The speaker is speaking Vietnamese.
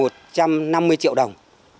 một trăm năm mươi triệu đồng